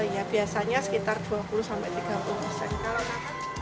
ya biasanya sekitar dua puluh sampai tiga puluh persen